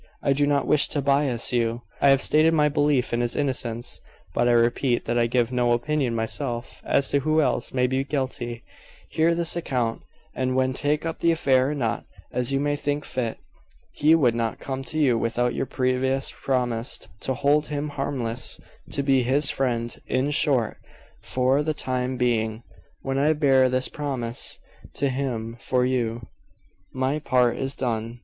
I do not wish to bias you. I have stated my belief in his innocence, but I repeat that I give no opinion myself as to who else may be guilty. Hear his account, and then take up the affair or not, as you may think fit. He would not come to you without your previous promise to hold him harmless; to be his friend, in short, for the time being. When I bear this promise to him for you, my part is done."